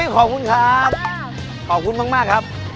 ขอบคุณครับ